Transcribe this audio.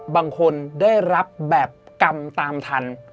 บางคนได้รับแบบกรรมตามทัน